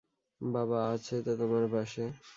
বাবা আছে তো তোমার পাশে!